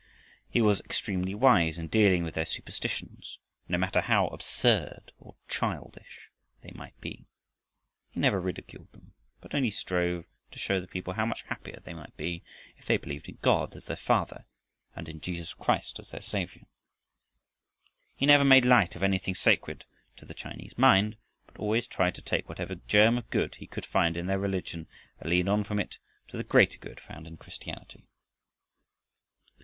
He was extremely wise in dealing with their superstitions. No matter how absurd or childish They might be, he never ridiculed them, but only strove to show the people how much happier they might be if they believed in God as their Father and in Jesus Christ as their Savior. He never made light of anything sacred to the Chinese mind, but always tried to take whatever germ of good he could find in their religion, and lead on from it to the greater good found in Christianity.